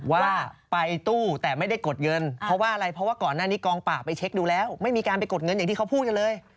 ว่าไปตู้แต่ไม่ได้กดเงินเพราะว่าอะไรเพราะว่าก่อนหน้านี้กองป่าไปเช็คดูแล้วไม่มีการไปกดเงินอย่างที่เขาพูดกันเลย